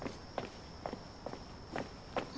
あ！